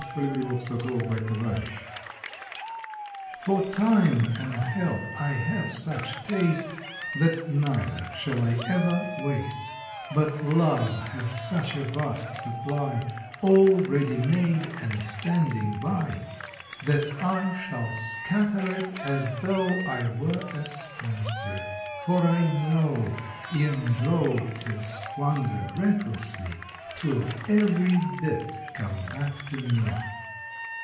September Tenth THE WISE SPENDTHRIFT "C OR Time and Health I have such taste That neither shall I ever waste, But Love hath such a vast supply, All ready made and standing by, That I shall scatter it as though I were a Spendthrift, for I know E en though tis squandered recklessly Twill every bit come back to me.